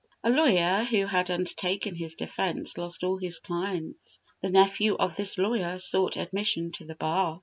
A lawyer who had undertaken his defence lost all his clients. The nephew of this lawyer sought admission to the bar.